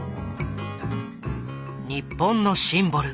日本のシンボル